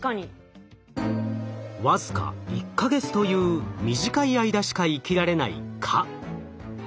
僅か１か月という短い間しか生きられない蚊。